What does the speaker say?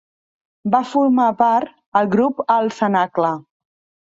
Va formar part, el grup El Cenacle.